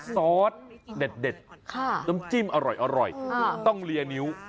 ซอสเด็ดน้ำจิ้มอร่อยต้องเลียนิ้ว